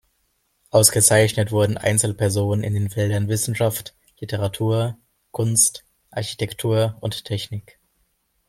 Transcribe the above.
Ausgezeichnet wurden Einzelpersonen in den Feldern Wissenschaft, Literatur, Kunst, Architektur und Technik.